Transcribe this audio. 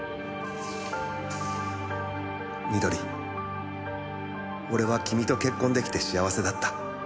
「美登里俺は君と結婚出来て幸せだった」